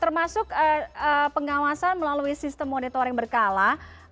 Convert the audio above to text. termasuk pengawasan melalui sistem monitoring berkala